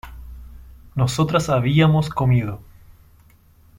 nosotras habíamos comido